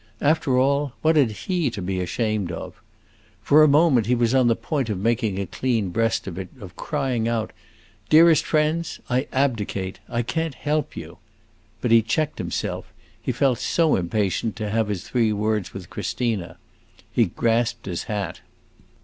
After all, what had he to be ashamed of? For a moment he was on the point of making a clean breast of it, of crying out, "Dearest friends, I abdicate: I can't help you!" But he checked himself; he felt so impatient to have his three words with Christina. He grasped his hat.